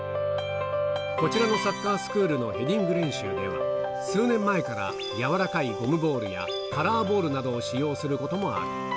こちらのサッカースクールのヘディング練習では、数年前から軟らかいゴムボールやカラーボールなどを使用することもある。